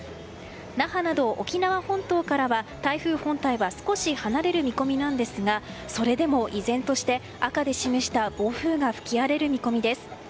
那覇など、沖縄本島からは台風本体は少し離れる見込みなんですがそれでも依然として、赤で示した暴風が吹き荒れる見込みです。